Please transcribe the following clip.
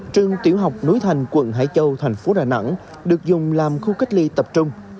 trường tiểu học núi thành quận hải châu thành phố đà nẵng được dùng làm khu cách ly tập trung